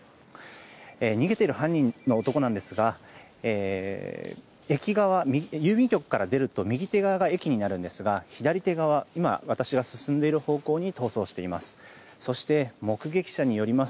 逃げている犯人の男なんですが郵便局から出ると右手が駅になるんですが左手、私が進んでいる方向に逃走しています。